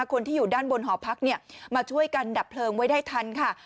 คนที่อยู่ด้านบนหอพักเนี่ยมาช่วยกันดับเพลิงไว้ได้ทันค่ะ